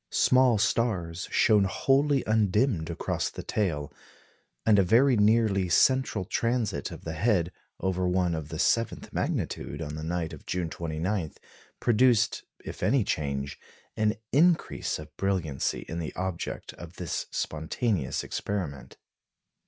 Small stars shone wholly undimmed across the tail, and a very nearly central transit of the head over one of the seventh magnitude on the night of June 29, produced if any change an increase of brilliancy in the object of this spontaneous experiment.